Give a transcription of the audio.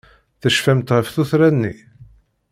Tecfamt ɣef tuttra-nni?